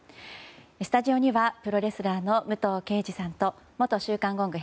スタジオにはプロレスラーの武藤敬司さんと元「週刊ゴング」